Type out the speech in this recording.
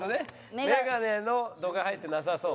「メガネの度が入ってなさそう」